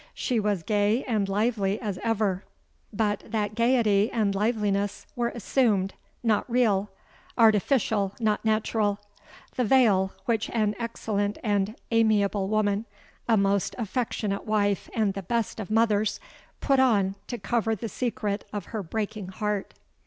She was gay and lively as ever; but that gaiety and liveliness were assumed, not real—artificial, not natural,—the veil which an excellent and amiable woman—a most affectionate wife and the best of mothers—put on to cover the secret of her breaking heart!